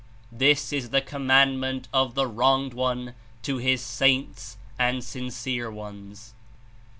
This Is the commandment of the Wronged One to His saints and sincere ones.